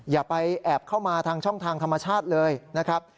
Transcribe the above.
อย่าไปแอบเข้ามาทางช่องทางธรรมชาติเลยนะครับ